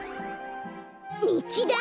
みちだ！